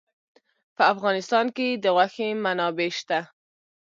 په افغانستان کې د غوښې منابع شته.